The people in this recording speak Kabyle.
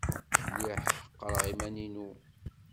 Lliɣ ḥeqreɣ iman-inu.